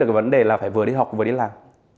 cái vấn đề là phải vừa đi học vừa đi làm